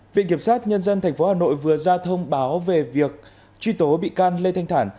viện kiểm sát nhân dân tp hà nội vừa ra thông báo về việc truy tố bị can lê thanh thản